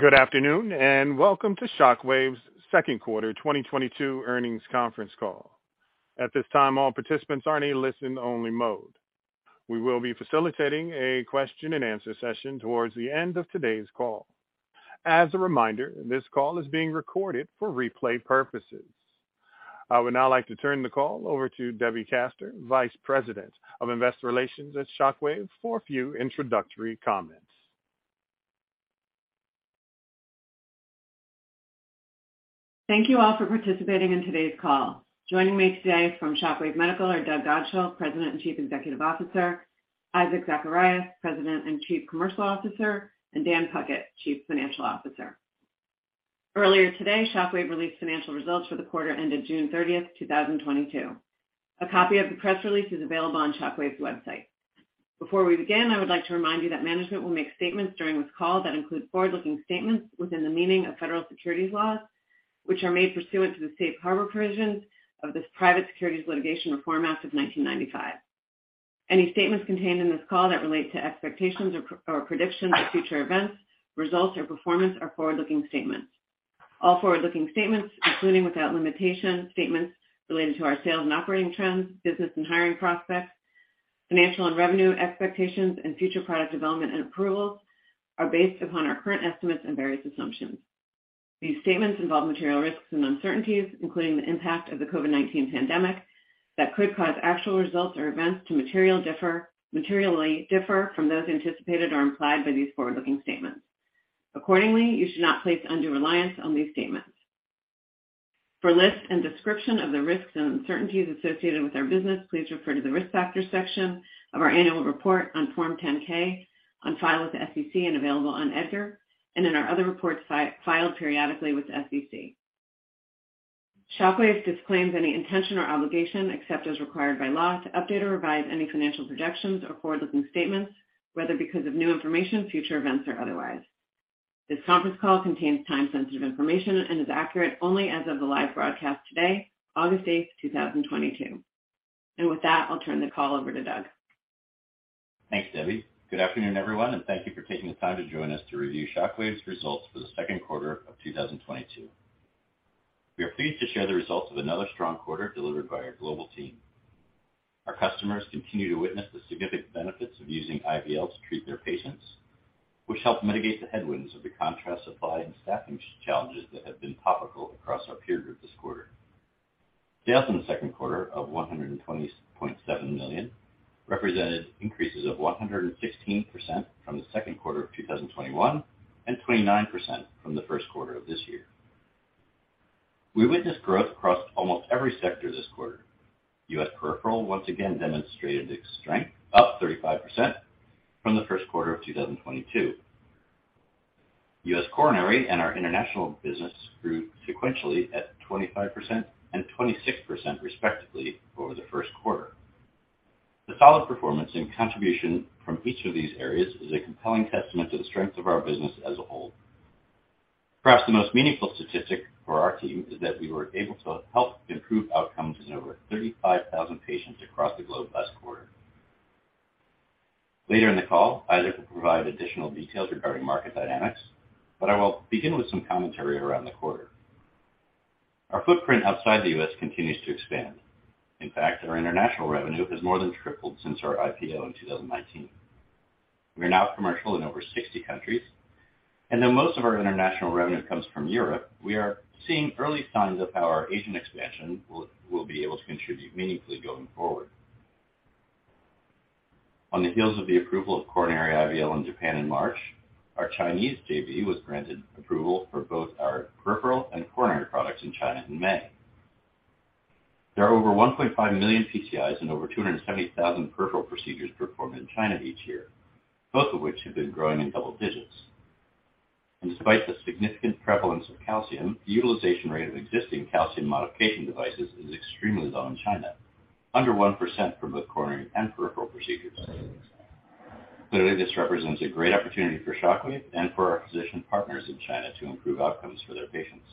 Good afternoon, and welcome to Shockwave's Second Quarter 2022 Earnings Conference Call. At this time, all participants are in a listen-only mode. We will be facilitating a question-and-answer session towards the end of today's call. As a reminder, this call is being recorded for replay purposes. I would now like to turn the call over to Debbie Kaster, Vice President of Investor Relations at Shockwave, for a few introductory comments. Thank you all for participating in today's call. Joining me today from Shockwave Medical are Doug Godshall, President and Chief Executive Officer, Isaac Zacharias, President and Chief Commercial Officer, and Dan Puckett, Chief Financial Officer. Earlier today, Shockwave released financial results for the quarter ending June 30, 2022. A copy of the press release is available on Shockwave's website. Before we begin, I would like to remind you that management will make statements during this call that include forward-looking statements within the meaning of federal securities laws, which are made pursuant to the Safe Harbor provisions of the Private Securities Litigation Reform Act of 1995. Any statements contained in this call that relate to expectations or predictions of future events, results, or performance are forward-looking statements. All forward-looking statements, including without limitation, statements related to our sales and operating trends, business and hiring prospects, financial and revenue expectations, and future product development and approvals, are based upon our current estimates and various assumptions. These statements involve material risks and uncertainties, including the impact of the COVID-19 pandemic that could cause actual results or events to materially differ from those anticipated or implied by these forward-looking statements. Accordingly, you should not place undue reliance on these statements. For a list and description of the risks and uncertainties associated with our business, please refer to the Risk Factors section of our annual report on Form 10-K on file with the SEC and available on EDGAR and in our other reports filed periodically with the SEC. Shockwave disclaims any intention or obligation, except as required by law, to update or revise any financial projections or forward-looking statements, whether because of new information, future events, or otherwise. This conference call contains time-sensitive information and is accurate only as of the live broadcast today, August 8, 2022. With that, I'll turn the call over to Doug. Thanks, Debbie. Good afternoon, everyone, and thank you for taking the time to join us to review Shockwave's results for the second quarter of 2022. We are pleased to share the results of another strong quarter delivered by our global team. Our customers continue to witness the significant benefits of using IVL to treat their patients, which helped mitigate the headwinds of the contrast supply and staffing challenges that have been topical across our peer group this quarter. Sales in the second quarter of $120.7 million represented increases of 116% from the second quarter of 2021 and 29% from the first quarter of this year. We witnessed growth across almost every sector this quarter. U.S. peripheral once again demonstrated its strength, up 35% from the first quarter of 2022. U.S. coronary and our international business grew sequentially at 25% and 26%, respectively, over the first quarter. The solid performance and contribution from each of these areas is a compelling testament to the strength of our business as a whole. Perhaps the most meaningful statistic for our team is that we were able to help improve outcomes in over 35,000 patients across the globe last quarter. Later in the call, Isaac will provide additional details regarding market dynamics, but I will begin with some commentary around the quarter. Our footprint outside the U.S. continues to expand. In fact, our international revenue has more than tripled since our IPO in 2019. We are now commercial in over 60 countries, and though most of our international revenue comes from Europe, we are seeing early signs of how our Asian expansion will be able to contribute meaningfully going forward. On the heels of the approval of Coronary IVL in Japan in March, our Chinese JV was granted approval for both our Peripheral IVL and Coronary IVL products in China in May. There are over 1.5 million PCIs and over 270,000 peripheral procedures performed in China each year, both of which have been growing in double digits. Despite the significant prevalence of calcium, the utilization rate of existing calcium modification devices is extremely low in China, under 1% for both coronary and peripheral procedures. Clearly, this represents a great opportunity for Shockwave and for our physician partners in China to improve outcomes for their patients.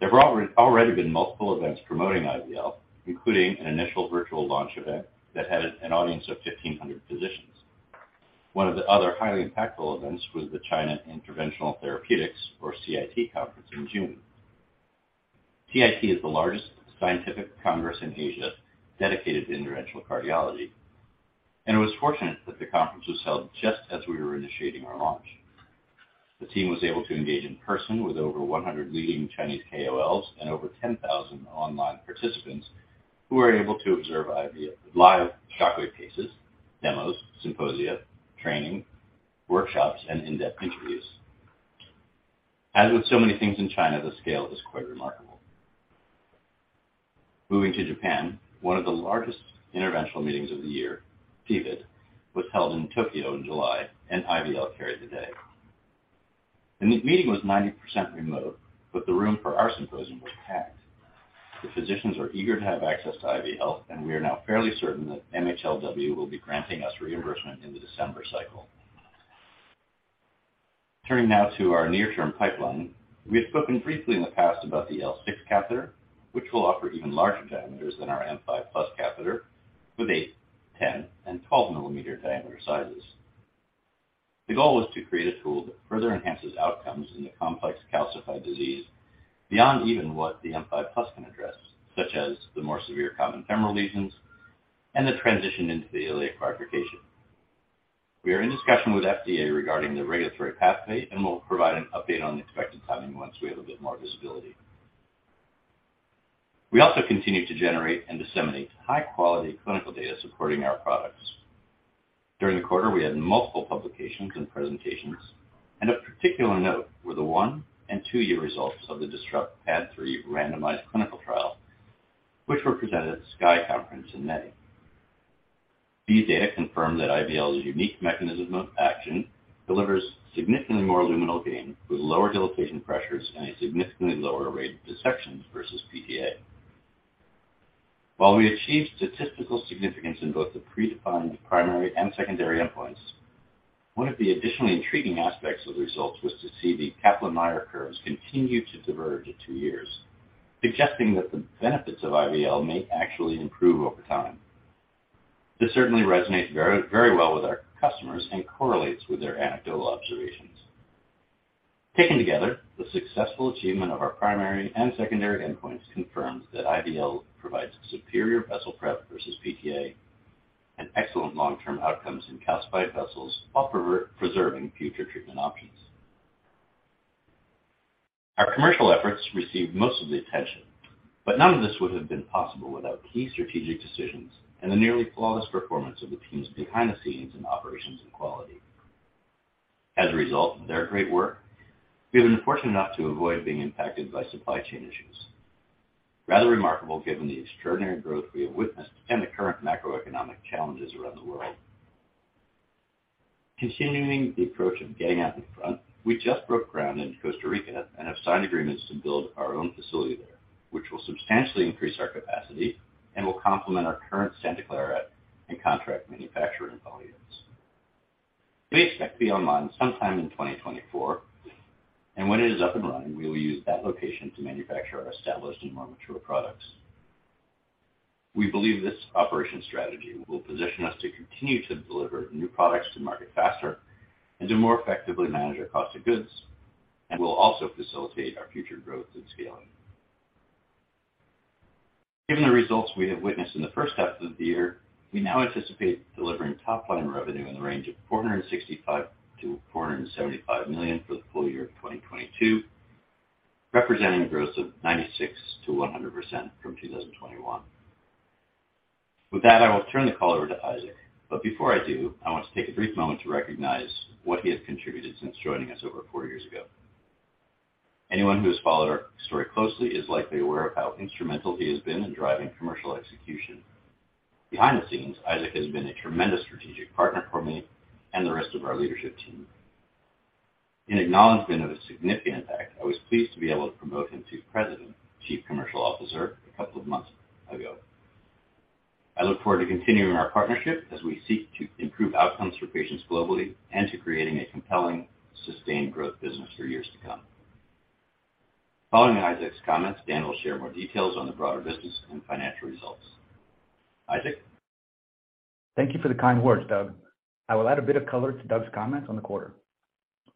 There have already been multiple events promoting IVL, including an initial virtual launch event that had an audience of 1,500 physicians. One of the other highly impactful events was the China Interventional Therapeutics or CIT Conference in June. CIT is the largest scientific congress in Asia dedicated to interventional cardiology, and it was fortunate that the conference was held just as we were initiating our launch. The team was able to engage in person with over 100 leading Chinese KOLs and over 10,000 online participants who were able to observe IVL live Shockwave cases, demos, symposia, training, workshops, and in-depth interviews. As with so many things in China, the scale is quite remarkable. Moving to Japan, one of the largest interventional meetings of the year, CVIT, was held in Tokyo in July, and IVL carried the day. The meeting was 90% remote, but the room for our symposium was packed. The physicians are eager to have access to IVL, and we are now fairly certain that MHLW will be granting us reimbursement in the December cycle. Turning now to our near-term pipeline. We have spoken briefly in the past about the L6 catheter, which will offer even larger diameters than our M5+ catheter. With 8, 10, and 12 millimeter diameter sizes. The goal is to create a tool that further enhances outcomes in the complex calcified disease beyond even what the M5+ can address, such as the more severe common femoral lesions and the transition into the iliac bifurcation. We are in discussion with FDA regarding the regulatory pathway, and we'll provide an update on the expected timing once we have a bit more visibility. We also continue to generate and disseminate high-quality clinical data supporting our products. During the quarter, we had multiple publications and presentations, and of particular note were the one- and two-year results of the Disrupt PAD III randomized clinical trial, which were presented at SCAI conference in May. These data confirm that IVL's unique mechanism of action delivers significantly more luminal gain with lower dilatation pressures and a significantly lower rate of dissections versus PTA. While we achieved statistical significance in both the predefined primary and secondary endpoints, one of the additionally intriguing aspects of the results was to see the Kaplan-Meier curves continue to diverge at two years, suggesting that the benefits of IVL may actually improve over time. This certainly resonates very well with our customers and correlates with their anecdotal observations. Taken together, the successful achievement of our primary and secondary endpoints confirms that IVL provides superior vessel prep versus PTA and excellent long-term outcomes in calcified vessels while preserving future treatment options. Our commercial efforts received most of the attention, but none of this would have been possible without key strategic decisions and the nearly flawless performance of the teams behind the scenes in operations and quality. As a result of their great work, we have been fortunate enough to avoid being impacted by supply chain issues. Rather remarkable given the extraordinary growth we have witnessed and the current macroeconomic challenges around the world. Continuing the approach of getting out in front, we just broke ground in Costa Rica and have signed agreements to build our own facility there, which will substantially increase our capacity and will complement our current Santa Clara and contract manufacturing volumes. We expect to be online sometime in 2024, and when it is up and running, we will use that location to manufacture our established and more mature products. We believe this operational strategy will position us to continue to deliver new products to market faster and to more effectively manage our cost of goods and will also facilitate our future growth and scaling. Given the results we have witnessed in the first half of the year, we now anticipate delivering top line revenue in the range of $465 million-$475 million for the full year of 2022, representing a growth of 96%-100% from 2021. With that, I will turn the call over to Isaac. Before I do, I want to take a brief moment to recognize what he has contributed since joining us over four years ago. Anyone who has followed our story closely is likely aware of how instrumental he has been in driving commercial execution. Behind the scenes, Isaac has been a tremendous strategic partner for me and the rest of our leadership team. In acknowledgment of his significant impact, I was pleased to be able to promote him to President and Chief Commercial Officer a couple of months ago. I look forward to continuing our partnership as we seek to improve outcomes for patients globally and to creating a compelling, sustained growth business for years to come. Following Isaac's comments, Dan will share more details on the broader business and financial results. Isaac? Thank you for the kind words, Doug. I will add a bit of color to Doug's comments on the quarter.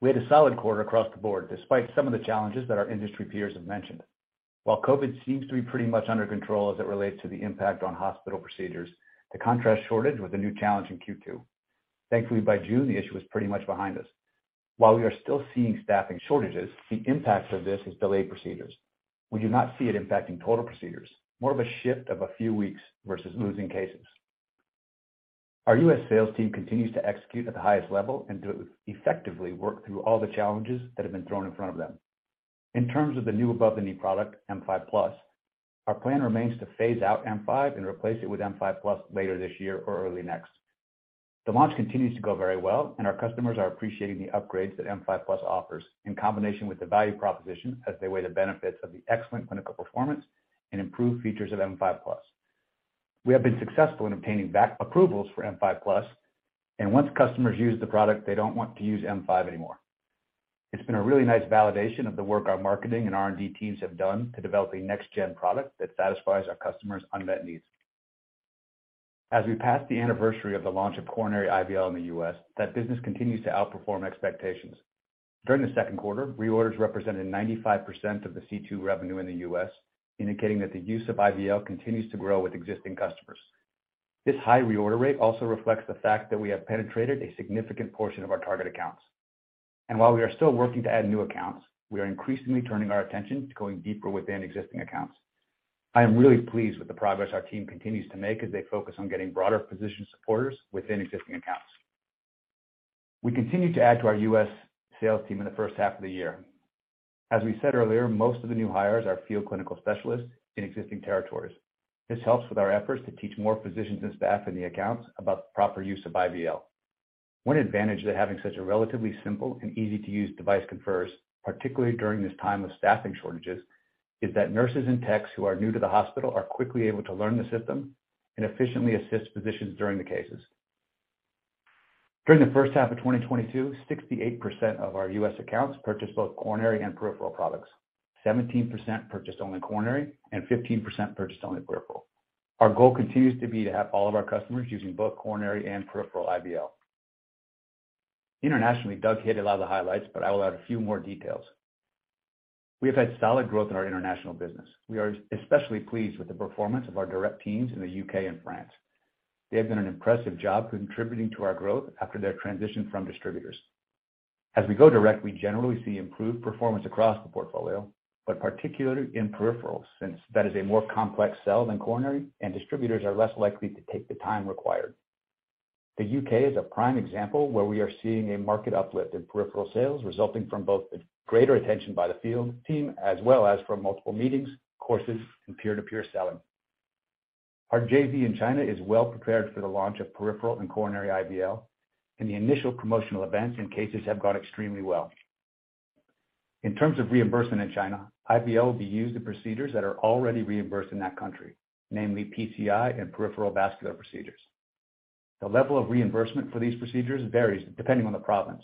We had a solid quarter across the board, despite some of the challenges that our industry peers have mentioned. While COVID seems to be pretty much under control as it relates to the impact on hospital procedures, the contrast shortage was a new challenge in Q2. Thankfully, by June, the issue was pretty much behind us. While we are still seeing staffing shortages, the impact of this is delayed procedures. We do not see it impacting total procedures. More of a shift of a few weeks versus losing cases. Our U.S. sales team continues to execute at the highest level and to effectively work through all the challenges that have been thrown in front of them. In terms of the new above-the-knee product, M5+, our plan remains to phase out M5 and replace it with M5+ later this year or early next. The launch continues to go very well, and our customers are appreciating the upgrades that M5+ offers in combination with the value proposition as they weigh the benefits of the excellent clinical performance and improved features of M5+. We have been successful in obtaining payor approvals for M5+, and once customers use the product, they don't want to use M5 anymore. It's been a really nice validation of the work our marketing and R&D teams have done to develop a next-gen product that satisfies our customers' unmet needs. As we pass the anniversary of the launch of coronary IVL in the U.S., that business continues to outperform expectations. During the second quarter, reorders represented 95% of the C2 revenue in the U.S., indicating that the use of IVL continues to grow with existing customers. This high reorder rate also reflects the fact that we have penetrated a significant portion of our target accounts. While we are still working to add new accounts, we are increasingly turning our attention to going deeper within existing accounts. I am really pleased with the progress our team continues to make as they focus on getting broader physician supporters within existing accounts. We continue to add to our U.S. sales team in the first half of the year. As we said earlier, most of the new hires are field clinical specialists in existing territories. This helps with our efforts to teach more physicians and staff in the accounts about the proper use of IVL. One advantage that having such a relatively simple and easy-to-use device confers, particularly during this time of staffing shortages, is that nurses and techs who are new to the hospital are quickly able to learn the system and efficiently assist physicians during the cases. During the first half of 2022, 68% of our U.S. accounts purchased both coronary and peripheral products. 17% purchased only coronary, and 15% purchased only peripheral. Our goal continues to be to have all of our customers using both coronary and peripheral IVL. Internationally, Doug hit a lot of the highlights, but I will add a few more details. We have had solid growth in our international business. We are especially pleased with the performance of our direct teams in the U.K. and France. They have done an impressive job contributing to our growth after their transition from distributors. As we go direct, we generally see improved performance across the portfolio, but particularly in peripherals, since that is a more complex sell than coronary, and distributors are less likely to take the time required. The U.K. is a prime example where we are seeing a market uplift in peripheral sales resulting from both the greater attention by the field team as well as from multiple meetings, courses, and peer-to-peer selling. Our JV in China is well prepared for the launch of peripheral and coronary IVL, and the initial promotional events and cases have gone extremely well. In terms of reimbursement in China, IVL will be used in procedures that are already reimbursed in that country, namely PCI and peripheral vascular procedures. The level of reimbursement for these procedures varies depending on the province.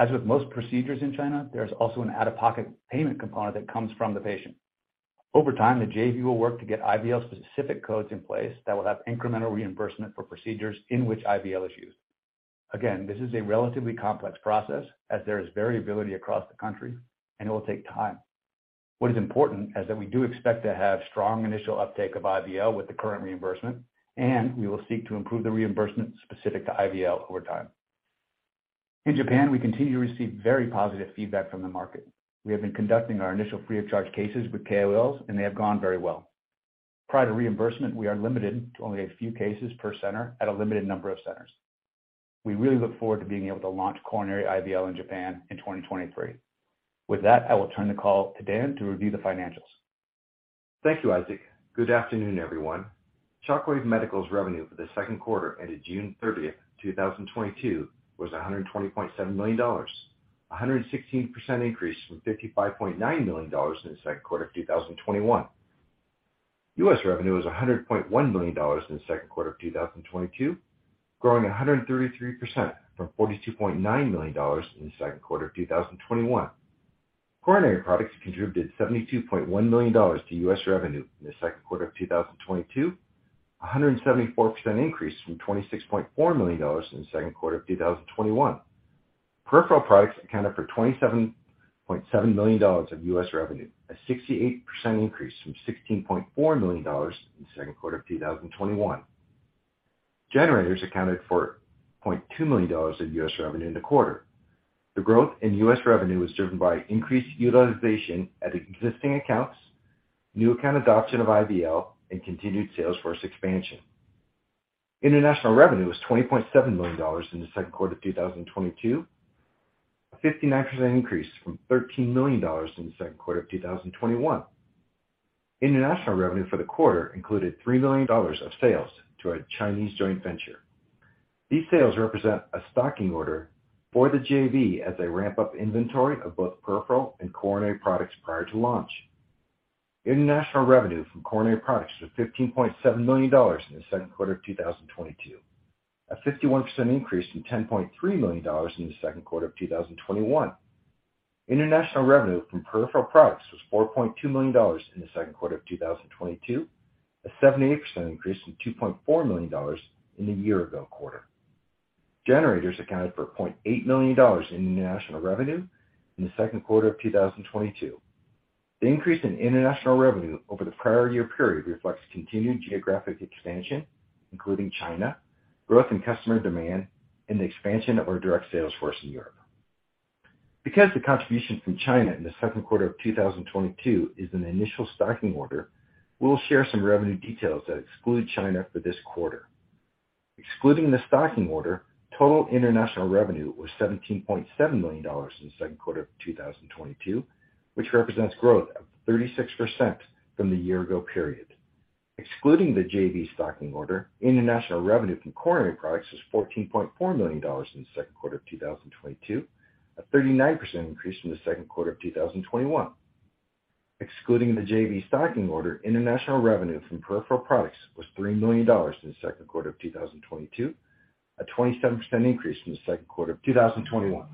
As with most procedures in China, there's also an out-of-pocket payment component that comes from the patient. Over time, the JV will work to get IVL-specific codes in place that will have incremental reimbursement for procedures in which IVL is used. Again, this is a relatively complex process, as there is variability across the country, and it will take time. What is important is that we do expect to have strong initial uptake of IVL with the current reimbursement, and we will seek to improve the reimbursement specific to IVL over time. In Japan, we continue to receive very positive feedback from the market. We have been conducting our initial free-of-charge cases with KOLs, and they have gone very well. Prior to reimbursement, we are limited to only a few cases per center at a limited number of centers. We really look forward to being able to launch Coronary IVL in Japan in 2023. With that, I will turn the call to Dan to review the financials. Thank you, Isaac. Good afternoon, everyone. Shockwave Medical's revenue for the second quarter ended June 30, 2022 was $120.7 million, 116% increase from $55.9 million in the second quarter of 2021. U.S. revenue was $100.1 million in the second quarter of 2022, growing 133% from $42.9 million in the second quarter of 2021. Coronary products contributed $72.1 million to U.S. revenue in the second quarter of 2022, 174% increase from $26.4 million in the second quarter of 2021. Peripheral products accounted for $27.7 million of U.S. revenue, 68% increase from $16.4 million in the second quarter of 2021. Generators accounted for $0.2 million in U.S. revenue in the quarter. The growth in U.S. revenue was driven by increased utilization at existing accounts, new account adoption of IVL, and continued sales force expansion. International revenue was $20.7 million in the second quarter of 2022, a 59% increase from $13 million in the second quarter of 2021. International revenue for the quarter included $3 million of sales to a Chinese joint venture. These sales represent a stocking order for the JV as they ramp up inventory of both peripheral and coronary products prior to launch. International revenue from coronary products was $15.7 million in the second quarter of 2022, a 51% increase from $10.3 million in the second quarter of 2021. International revenue from peripheral products was $4.2 million in the second quarter of 2022, a 78% increase from $2.4 million in the year ago quarter. Generators accounted for $0.8 million in international revenue in the second quarter of 2022. The increase in international revenue over the prior year period reflects continued geographic expansion, including China, growth in customer demand, and the expansion of our direct sales force in Europe. Because the contribution from China in the second quarter of 2022 is an initial stocking order, we'll share some revenue details that exclude China for this quarter. Excluding the stocking order, total international revenue was $17.7 million in the second quarter of 2022, which represents growth of 36% from the year ago period. Excluding the JV stocking order, international revenue from coronary products was $14.4 million in the second quarter of 2022, a 39% increase from the second quarter of 2021. Excluding the JV stocking order, international revenue from peripheral products was $3 million in the second quarter of 2022, a 27% increase from the second quarter of 2021.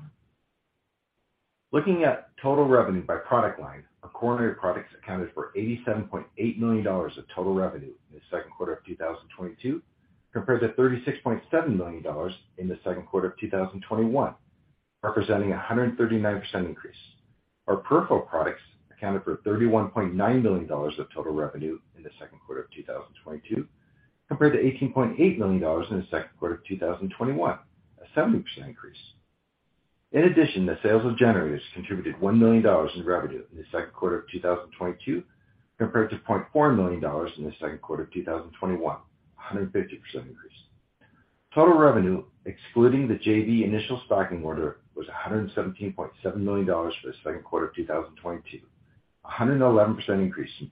Looking at total revenue by product line, our coronary products accounted for $87.8 million of total revenue in the second quarter of 2022 compared to $36.7 million in the second quarter of 2021, representing a 139% increase. Our peripheral products accounted for $31.9 million of total revenue in the second quarter of 2022 compared to $18.8 million in the second quarter of 2021, a 70% increase. In addition, the sales of generators contributed $1 million in revenue in the second quarter of 2022 compared to $0.4 million in the second quarter of 2021, a 150% increase. Total revenue excluding the JV initial stocking order was $117.7 million for the second quarter of 2022, a 111% increase from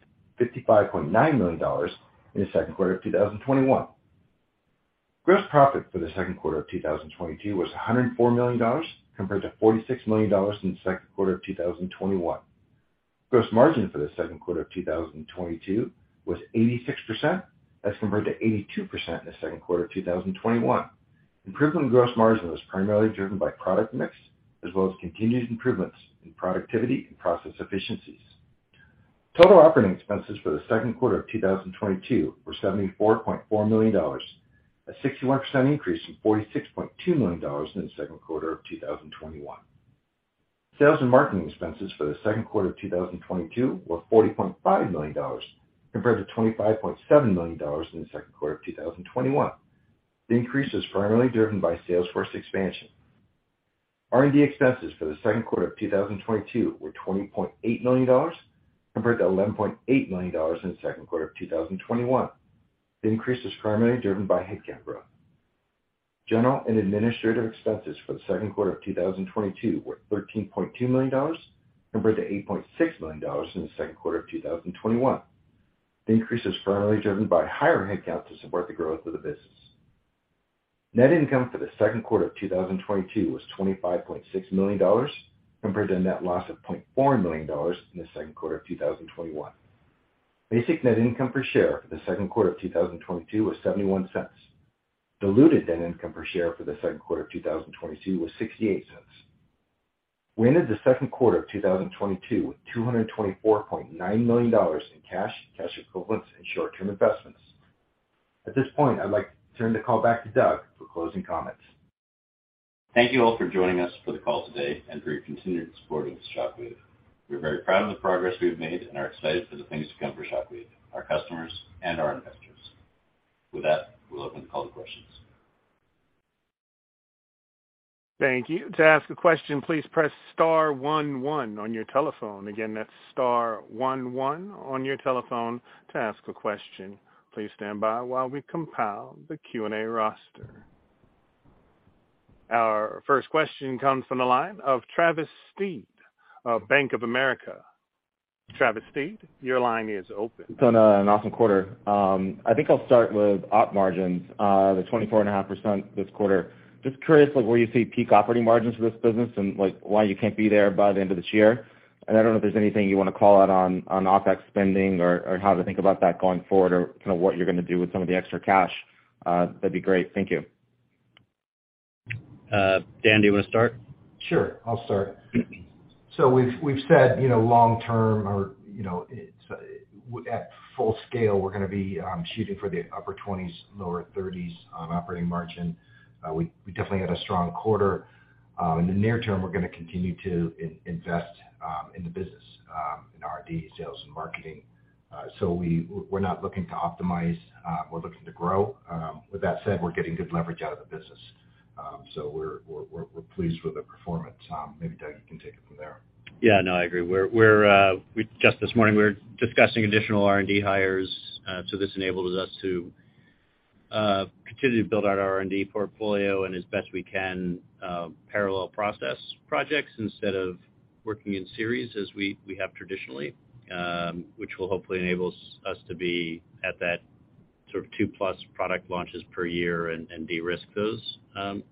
$55.9 million in the second quarter of 2021. Gross profit for the second quarter of 2022 was $104 million compared to $46 million in the second quarter of 2021. Gross margin for the second quarter of 2022 was 86% as compared to 82% in the second quarter of 2021. Improvement in gross margin was primarily driven by product mix, as well as continued improvements in productivity and process efficiencies. Total operating expenses for the second quarter of 2022 were $74.4 million, a 61% increase from $46.2 million in the second quarter of 2021. Sales and marketing expenses for the second quarter of 2022 were $40.5 million compared to $25.7 million in the second quarter of 2021. The increase was primarily driven by sales force expansion. R&D expenses for the second quarter of 2022 were $20.8 million compared to $11.8 million in the second quarter of 2021. The increase was primarily driven by headcount growth. General and Administrative expenses for the second quarter of 2022 were $13.2 million compared to $8.6 million in the second quarter of 2021. The increase was primarily driven by higher headcount to support the growth of the business. Net income for the second quarter of 2022 was $25.6 million compared to a net loss of $0.4 million in the second quarter of 2021. Basic net income per share for the second quarter of 2022 was $0.71. Diluted net income per share for the second quarter of 2022 was $0.68. We ended the second quarter of 2022 with $224.9 million in cash equivalents, and short-term investments. At this point, I'd like to turn the call back to Doug for closing comments. Thank you all for joining us for the call today and for your continued support of Shockwave. We're very proud of the progress we have made and are excited for the things to come for Shockwave, our customers, and our investors. With that, we'll open the call to questions. Thank you. To ask a question, please press star one-one on your telephone. Again, that's star one-one on your telephone to ask a question. Please stand by while we compile the Q&A roster. Our first question comes from the line of Travis Steed of Bank of America. Travis Steed, your line is open. It's been an awesome quarter. I think I'll start with op margins, the 24.5% this quarter. Just curious, like, where you see peak operating margins for this business and, like, why you can't be there by the end of this year. I don't know if there's anything you wanna call out on OpEx spending or how to think about that going forward or kinda what you're gonna do with some of the extra cash. That'd be great. Thank you. Dan, do you wanna start? Sure, I'll start. We've said, you know, long term, you know, at full scale, we're gonna be shooting for the upper 20s-lower 30s operating margin. We definitely had a strong quarter. In the near term, we're gonna continue to invest in the business, in R&D, sales and marketing. We're not looking to optimize, we're looking to grow. With that said, we're getting good leverage out of the business. Maybe Doug, you can take it from there. Yeah, no, I agree. Just this morning, we were discussing additional R&D hires, so this enables us to continue to build out our R&D portfolio and as best we can, parallel process projects instead of working in series as we have traditionally, which will hopefully enables us to be at that sort of two+ product launches per year and de-risk those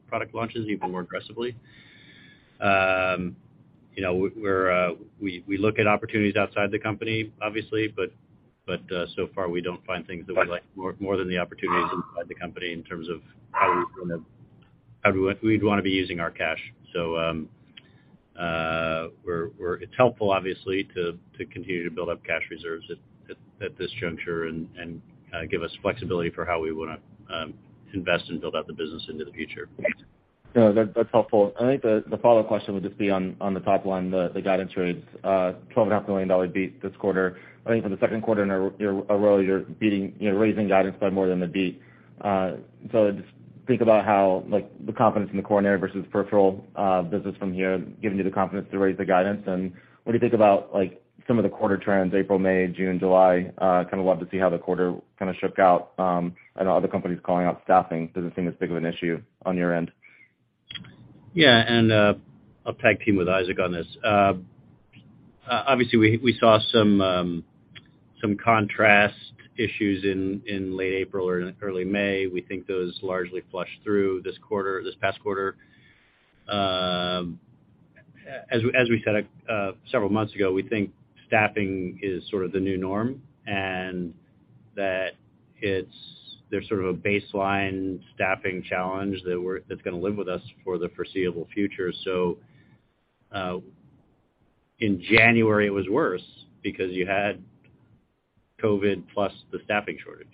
product launches even more aggressively. You know, we look at opportunities outside the company, obviously, but so far, we don't find things that we like more than the opportunities inside the company in terms of how we wanna, how we'd wanna be using our cash. It's helpful, obviously, to continue to build up cash reserves at this juncture and kinda give us flexibility for how we wanna invest and build out the business into the future. No, that's helpful. I think the follow-up question would just be on the top line, the guidance raise, $12.5 million beat this quarter. I think for the second quarter in a row, you're raising guidance by more than the beat. Just think about how, like, the confidence in the coronary versus peripheral business from here giving you the confidence to raise the guidance. When you think about, like, some of the quarter trends, April, May, June, July, I'd love to see how the quarter kind of shook out. I know other companies calling out staffing doesn't seem as big of an issue on your end. Yeah. I'll tag team with Isaac on this. Obviously we saw some contrast issues in late April or early May. We think those largely flushed through this past quarter. As we said several months ago, we think staffing is sort of the new norm and that there's sort of a baseline staffing challenge that's gonna live with us for the foreseeable future. In January, it was worse because you had COVID plus the staffing shortage.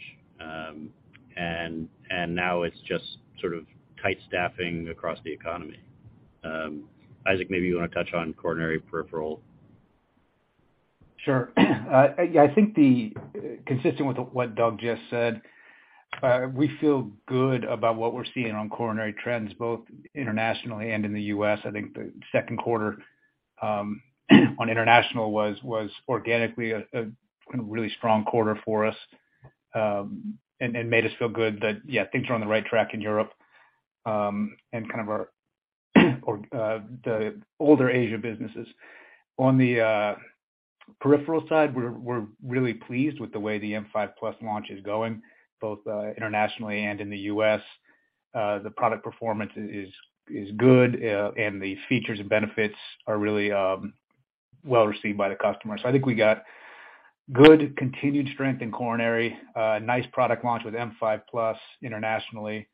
Now it's just sort of tight staffing across the economy. Isaac, maybe you wanna touch on coronary peripheral. Sure. Yeah, I think consistent with what Doug just said, we feel good about what we're seeing on coronary trends, both internationally and in the U.S. I think the second quarter on international was organically a really strong quarter for us, and it made us feel good that, yeah, things are on the right track in Europe, and kind of our other Asia businesses. On the peripheral side, we're really pleased with the way the M5+ launch is going, both internationally and in the U.S. The product performance is good, and the features and benefits are really well received by the customers. I think we got good continued strength in coronary, nice product launch with M5+ internationally.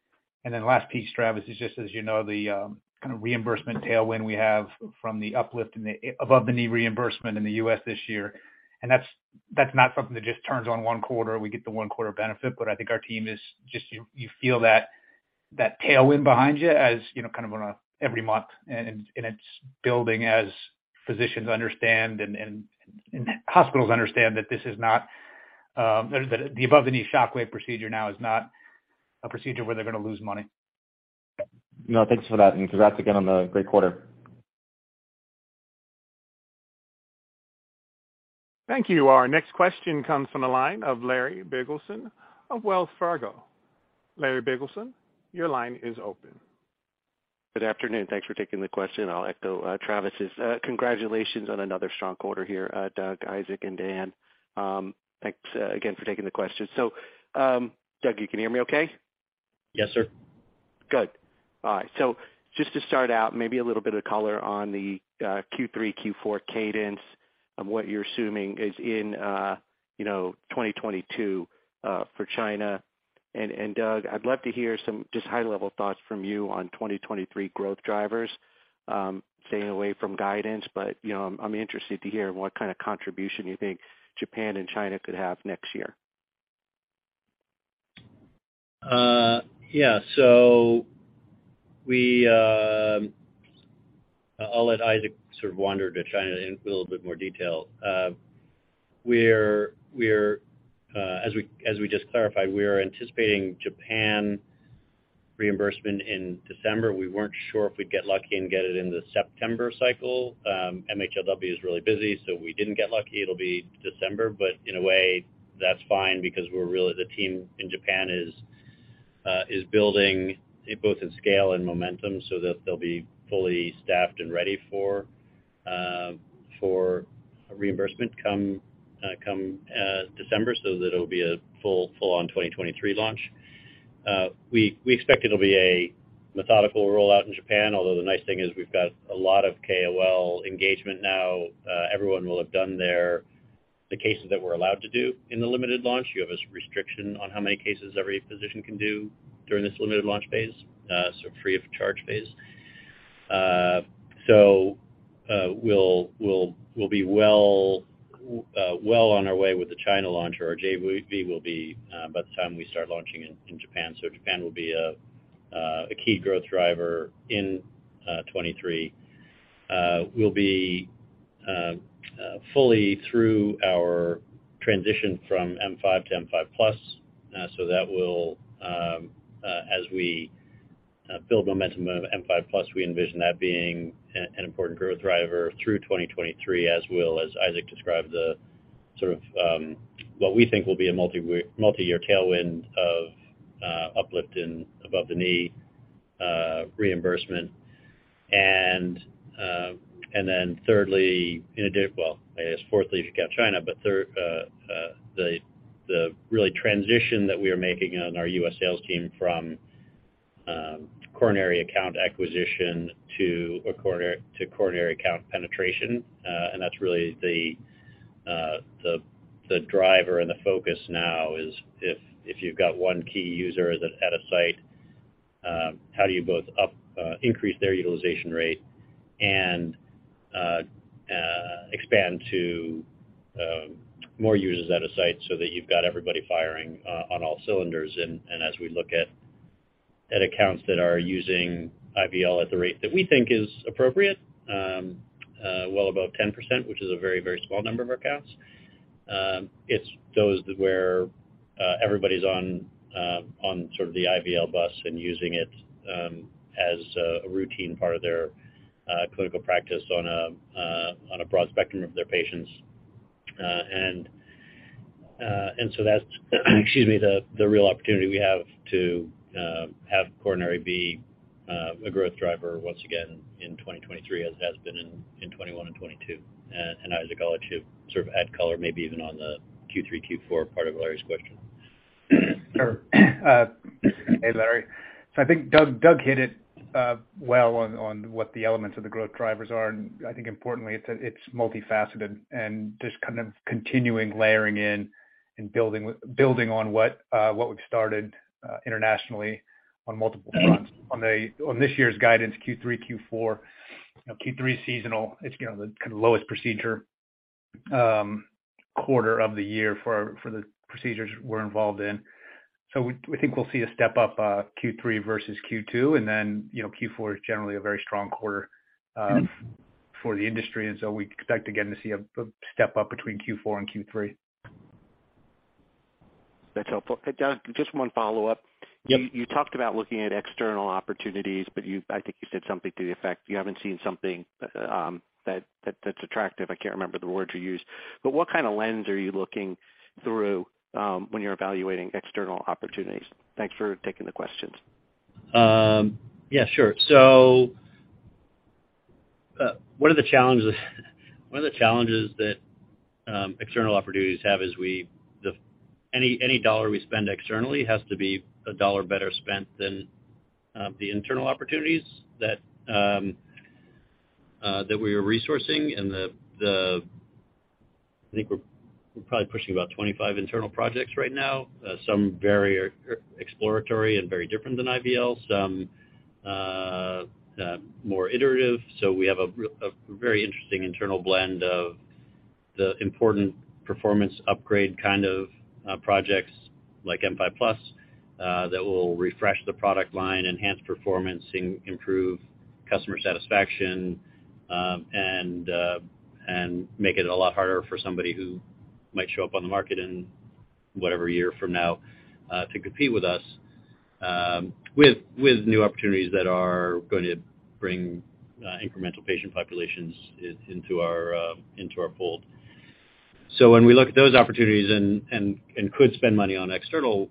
Last piece, Travis, is just as you know, the kind of reimbursement tailwind we have from the uplift in the above-the-knee reimbursement in the U.S. this year. That's not something that just turns on one quarter; we get the one quarter benefit. I think our team is just you feel that tailwind behind you as you know kind of on a every month, and it's building as physicians understand and hospitals understand that this is not that the above-the-knee Shockwave procedure now is not a procedure where they're gonna lose money. No, thanks for that. Congrats again on the great quarter. Thank you. Our next question comes from the line of Larry Biegelsen of Wells Fargo. Larry Biegelsen, your line is open. Good afternoon. Thanks for taking the question. I'll echo Travis's. Congratulations on another strong quarter here, Doug, Isaac, and Dan. Thanks again for taking the question. Doug, you can hear me okay? Yes, sir. Good. All right. Just to start out, maybe a little bit of color on the Q3, Q4 cadence on what you're assuming is in 2022 for China. Doug, I'd love to hear some just high level thoughts from you on 2023 growth drivers, staying away from guidance, but I'm interested to hear what kind of contribution you think Japan and China could have next year. I'll let Isaac sort of wander to China in a little bit more detail. We're as we just clarified anticipating Japan reimbursement in December. We weren't sure if we'd get lucky and get it in the September cycle. MHLW is really busy, so we didn't get lucky. It'll be December, but in a way, that's fine because we're really. The team in Japan is building both in scale and momentum so that they'll be fully staffed and ready for reimbursement come December so that it'll be a full on 2023 launch. We expect it'll be a methodical rollout in Japan, although the nice thing is we've got a lot of KOL engagement now. Everyone will have done their the cases that we're allowed to do in the limited launch. You have a restriction on how many cases every physician can do during this limited launch phase, so free of charge phase. We'll be well on our way with the China launch, or JV will be, by the time we start launching in Japan. Japan will be a key growth driver in 2023. We'll be fully through our transition from M5 to M5+. That will as we build momentum of M5+, we envision that being an important growth driver through 2023 as will, as Isaac described, the sort of what we think will be a multi-year tailwind of uplift in above-the-knee reimbursement. Then thirdly, in addition, well, I guess fourthly if you count China, but third, the real transition that we are making on our U.S. sales team from coronary account acquisition to coronary account penetration. That's really the driver and the focus now if you've got one key user that's at a site, how do you both increase their utilization rate and expand to more users at a site so that you've got everybody firing on all cylinders. As we look at accounts that are using IVL at the rate that we think is appropriate, well above 10%, which is a very, very small number of accounts, it's those where everybody's on sort of the IVL bus and using it as a routine part of their clinical practice on a broad spectrum of their patients. That's the real opportunity we have to have coronary be a growth driver once again in 2023 as it has been in 2021 and 2022. Isaac, I'll let you sort of add color maybe even on the Q3, Q4 part of Larry's question. Sure. Hey, Larry. I think Doug hit it well on what the elements of the growth drivers are, and I think importantly, it's multifaceted and just kind of continuing layering in and building on what we've started internationally on multiple fronts. On this year's guidance, Q3, Q4, you know, Q3 is seasonal. It's, you know, the kind of lowest procedure quarter of the year for the procedures we're involved in. We think we'll see a step up Q3 versus Q2, and then, you know, Q4 is generally a very strong quarter for the industry. We expect again to see a step up between Q4 and Q3. That's helpful. Hey, Doug, just one follow-up. Yep. You talked about looking at external opportunities, but I think you said something to the effect you haven't seen something that's attractive. I can't remember the words you used. What kind of lens are you looking through when you're evaluating external opportunities? Thanks for taking the questions. The challenge, one of the challenges that external opportunities have is any dollar we spend externally has to be a dollar better spent than the internal opportunities that we are resourcing. I think we're probably pushing about 25 internal projects right now. Some very exploratory and very different than IVL, some more iterative. We have a very interesting internal blend of the important performance upgrade kind of projects like M5+ that will refresh the product line, enhance performance, improve customer satisfaction, and make it a lot harder for somebody who might show up on the market in whatever year from now to compete with us with new opportunities that are gonna bring incremental patient populations into our fold. When we look at those opportunities and could spend money on external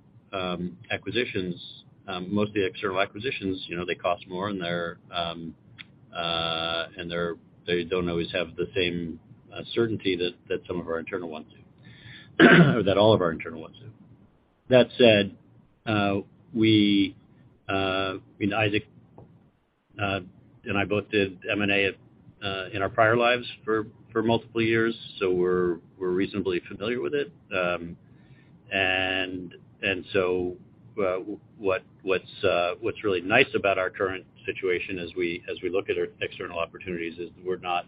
acquisitions, mostly external acquisitions, you know, they cost more and they don't always have the same certainty that some of our internal ones do, or that all of our internal ones do. That said, I mean, Isaac and I both did M&A in our prior lives for multiple years, so we're reasonably familiar with it. What's really nice about our current situation as we look at our external opportunities is we're not.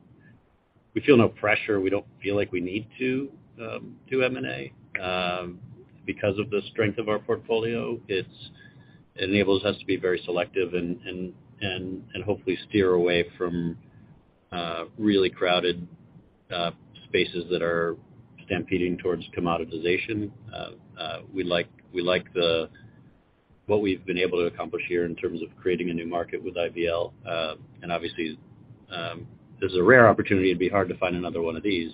We feel no pressure. We don't feel like we need to do M&A because of the strength of our portfolio. It enables us to be very selective and hopefully steer away from really crowded spaces that are stampeding towards commoditization. We like what we've been able to accomplish here in terms of creating a new market with IVL. Obviously, there's a rare opportunity. It'd be hard to find another one of these.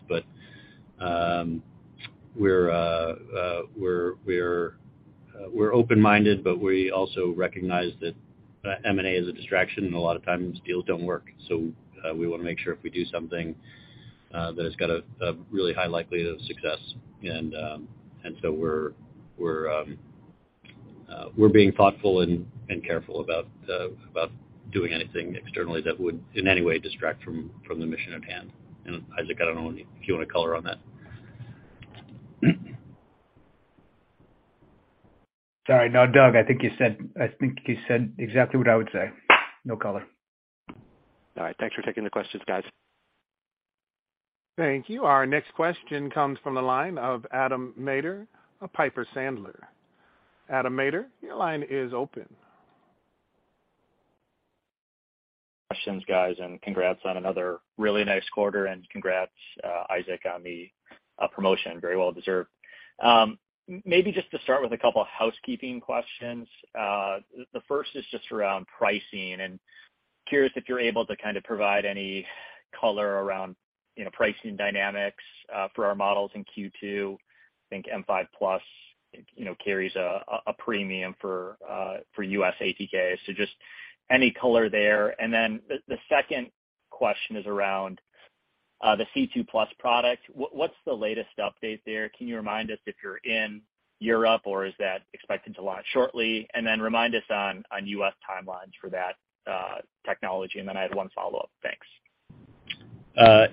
We're open-minded, but we also recognize that M&A is a distraction, and a lot of times deals don't work. We wanna make sure if we do something that it's got a really high likelihood of success. We're being thoughtful and careful about doing anything externally that would in any way distract from the mission at hand. Isaac, I don't know if you wanna color on that. Sorry. No, Doug, I think you said exactly what I would say. No color. All right. Thanks for taking the questions, guys. Thank you. Our next question comes from the line of Adam Maeder of Piper Sandler. Adam Maeder, your line is open. Questions, guys, and congrats on another really nice quarter, and congrats, Isaac, on the promotion. Very well deserved. Maybe just to start with a couple of housekeeping questions. The first is just around pricing, and curious if you're able to kinda provide any color around, you know, pricing dynamics, for our models in Q2. I think M5+, you know, carries a premium for U.S. ATK. Just any color there. The second question is around the C2+ product. What's the latest update there? Can you remind us if you're in Europe, or is that expected to launch shortly? Remind us on U.S. timelines for that technology. I have one follow-up. Thanks.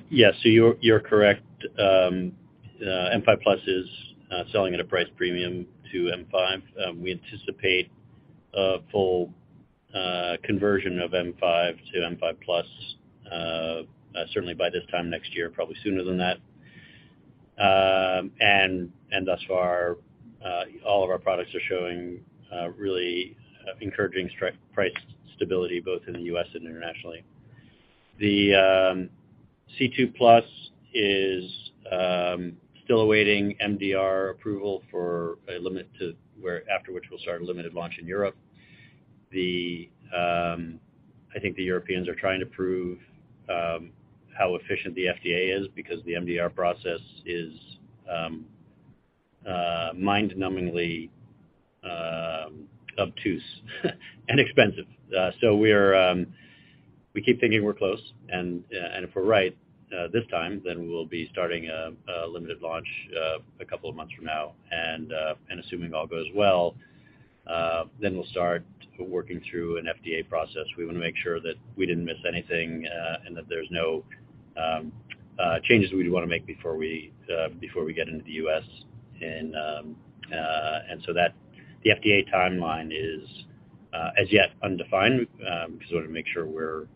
Yes. You're correct. M5+ is selling at a price premium to M5. We anticipate a full conversion of M5 to M5+, certainly by this time next year, probably sooner than that. Thus far, all of our products are showing really encouraging price stability both in the U.S. and internationally. The C2+ is still awaiting MDR approval, after which we'll start a limited launch in Europe. I think the Europeans are trying to prove how efficient the FDA is because the MDR process is mind-numbingly obtuse and expensive. We keep thinking we're close. If we're right this time, then we'll be starting a limited launch a couple of months from now. Assuming all goes well, then we'll start working through an FDA process. We wanna make sure that we didn't miss anything, and that there's no changes we'd wanna make before we get into the U.S. The FDA timeline is as yet undefined, 'cause we wanna make sure we're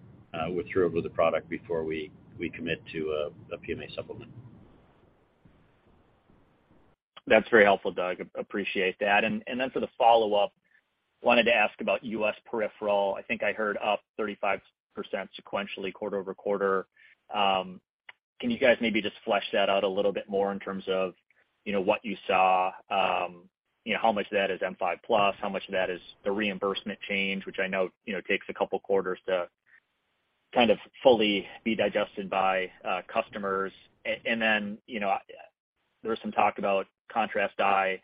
through with the product before we commit to a PMA supplement. That's very helpful, Doug. Appreciate that. Then for the follow-up, wanted to ask about U.S. peripheral. I think I heard up 35 sequentially quarter-over-quarter. Can you guys maybe just flesh that out a little bit more in terms of, you know, what you saw? You know, how much of that is M5+? How much of that is the reimbursement change, which I know, you know, takes a couple quarters to kind of fully be digested by customers. And then, you know. There was some talk about contrast dye,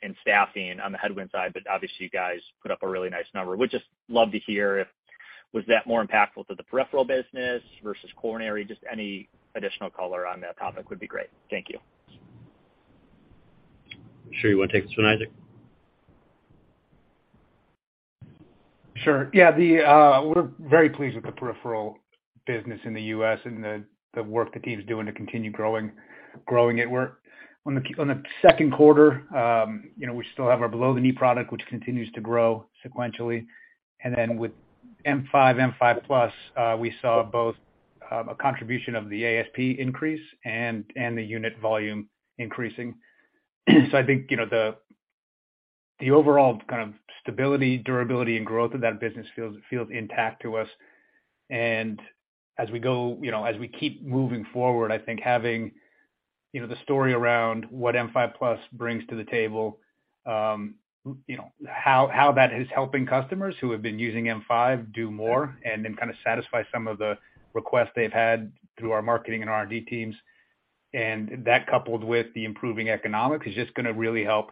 and staffing on the headwind side, but obviously you guys put up a really nice number. Would just love to hear if was that more impactful to the peripheral business versus coronary? Just any additional color on that topic would be great. Thank you. Sure. You wanna take this one, Isaac? Sure. Yeah, we're very pleased with the peripheral business in the U.S. and the work the team's doing to continue growing it. On the second quarter, you know, we still have our below-the-knee product, which continues to grow sequentially. With M5+, we saw both a contribution of the ASP increase and the unit volume increasing. I think, you know, the overall kind of stability, durability, and growth of that business feels intact to us. As we go, you know, as we keep moving forward, I think having the story around what M5+ brings to the table, you know, how that is helping customers who have been using M5 do more and then kind of satisfy some of the requests they've had through our marketing and R&D teams. That coupled with the improving economics is just gonna really help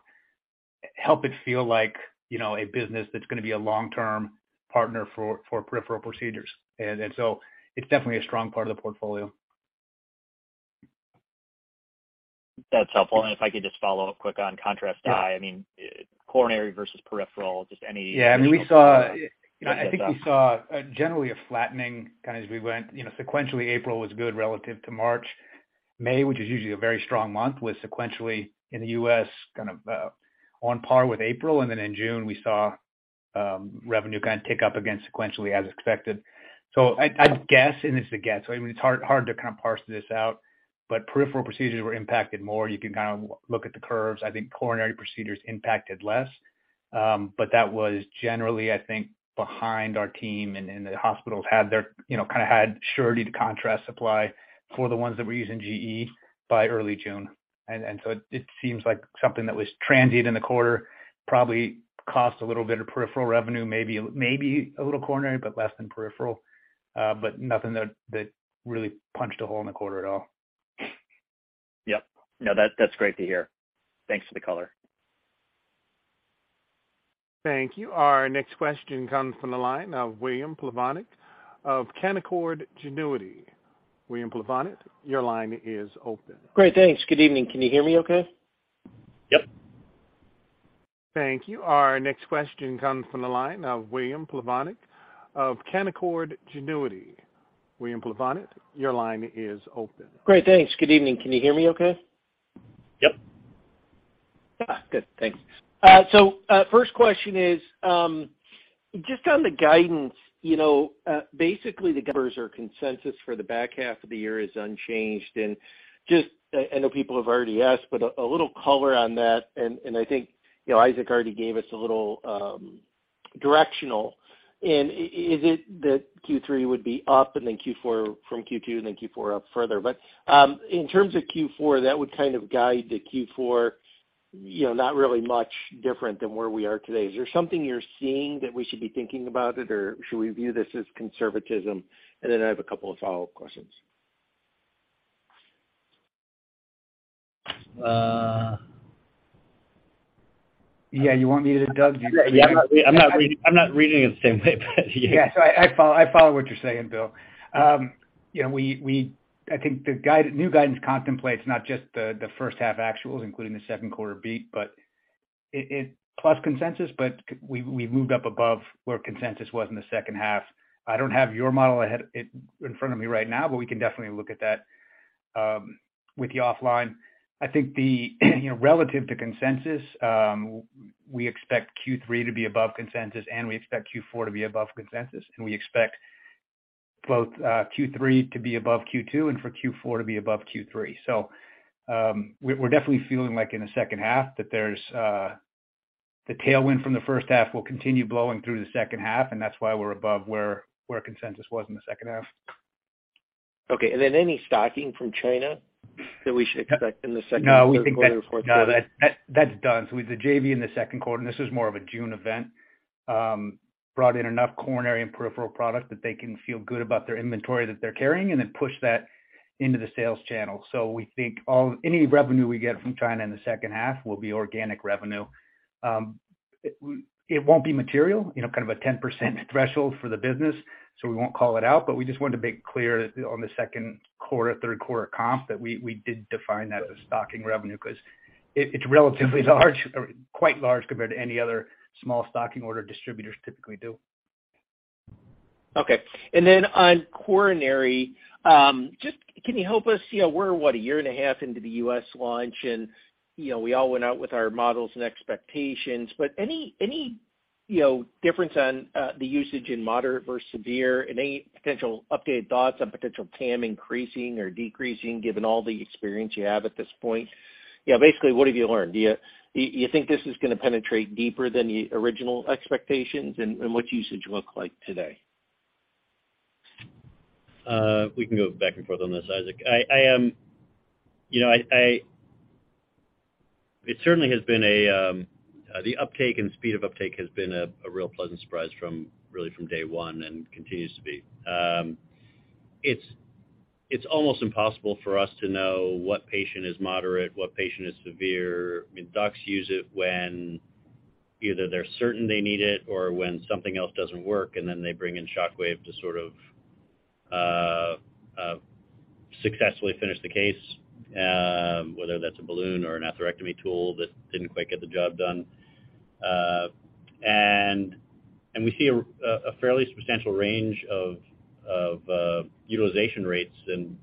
it feel like, you know, a business that's gonna be a long-term partner for peripheral procedures. It's definitely a strong part of the portfolio. That's helpful. If I could just follow up quick on contrast dye. I mean, coronary versus peripheral, just any additional color? Yeah, I mean, we saw, I think you saw, generally a flattening kind of as we went. You know, sequentially, April was good relative to March. May, which is usually a very strong month, was sequentially in the U.S. kind of on par with April. In June, we saw revenue kind of tick up again sequentially as expected. I'd guess, and it's a guess, so I mean, it's hard to kind of parse this out, but peripheral procedures were impacted more. You can kind of look at the curves. I think coronary procedures impacted less. But that was generally, I think, behind our team and the hospitals had their, you know, kind of had surety to contrast supply for the ones that were using GE by early June. It seems like something that was transient in the quarter, probably cost a little bit of peripheral revenue, maybe a little coronary, but less than peripheral. Nothing that really punched a hole in the quarter at all. Yep. No, that's great to hear. Thanks for the color. Thank you. Our next question comes from the line of William Plovanic of Canaccord Genuity. William Plovanic, your line is open. Great. Thanks. Good evening. Can you hear me okay? Yep. Good. Thanks. First question is just on the guidance, you know, basically the consensus for the back half of the year is unchanged. I know people have already asked, but a little color on that, and I think, you know, Isaac already gave us a little directional. Is it that Q3 would be up and then Q4 from Q2 and then Q4 up further? In terms of Q4, that would kind of guide the Q4, you know, not really much different than where we are today. Is there something you're seeing that we should be thinking about it, or should we view this as conservatism? Then I have a couple of follow-up questions. Yeah, you want me to, Doug, do you? Yeah, yeah. I'm not reading it the same way, but yeah. Yeah. I follow what you're saying, Bill. I think the new guidance contemplates not just the first half actuals, including the second quarter beat, but it plus consensus. We moved up above where consensus was in the second half. I don't have your model at hand in front of me right now, but we can definitely look at that with you offline. I think relative to consensus, we expect Q3 to be above consensus, and we expect Q4 to be above consensus. We expect both Q3 to be above Q2 and for Q4 to be above Q3. We're definitely feeling like in the second half that there's the tailwind from the first half will continue blowing through the second half, and that's why we're above where consensus was in the second half. Okay. Any stocking from China that we should expect in the second, third quarter, fourth quarter? No, that's done. With the JV in the second quarter, and this is more of a June event, brought in enough coronary and peripheral product that they can feel good about their inventory that they're carrying and then push that into the sales channel. We think all any revenue we get from China in the second half will be organic revenue. It won't be material, you know, kind of a 10% threshold for the business, so we won't call it out, but we just wanted to make clear on the second quarter, third quarter comp that we did define that as stocking revenue 'cause it's relatively large, or quite large compared to any other small stocking order distributors typically do. Okay. Then on coronary, just can you help us? You know, we're what 1.5 year into the U.S. launch, and you know, we all went out with our models and expectations, but any difference on the usage in moderate versus severe? Any potential updated thoughts on potential TAM increasing or decreasing given all the experience you have at this point? You know, basically, what have you learned? Do you think this is gonna penetrate deeper than the original expectations, and what's usage look like today? We can go back and forth on this, Isaac. I am, you know, I, It certainly has been the uptake and speed of uptake has been a real pleasant surprise from really from day one and continues to be. It's almost impossible for us to know what patient is moderate, what patient is severe. I mean, docs use it when either they're certain they need it or when something else doesn't work, and then they bring in Shockwave to sort of successfully finish the case, whether that's a balloon or an atherectomy tool that didn't quite get the job done. We see a fairly substantial range of utilization rates, and